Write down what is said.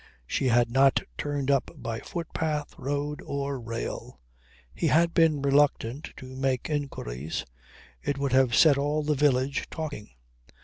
She had not turned up by footpath, road or rail. He had been reluctant to make inquiries. It would have set all the village talking.